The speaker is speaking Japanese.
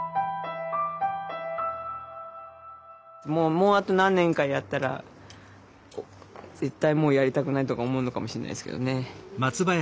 もうあと何年かやったら絶対もうやりたくないとか思うのかもしれないですけどね。